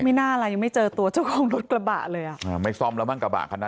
ไม่น่าอะไรยังไม่เจอตัวเจ้าของรถกระบะเลยอ่ะอ่าไม่ซ่อมแล้วมั้งกระบะคันนั้น